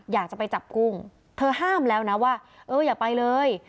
อยากจะไปจับกุ้งเธอห้ามแล้วนะว่าเอออย่าไปเลย